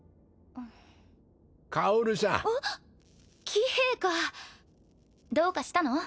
喜兵衛かどうかしたの？